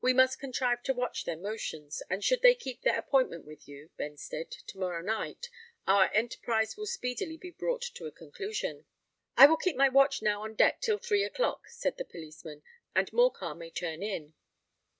We must contrive to watch their motions; and should they keep their appointment with you, Benstead, to morrow night, our enterprise will speedily be brought to a conclusion." "I will keep my watch now on deck till three o'clock," said the policeman; "and Morcar may turn in."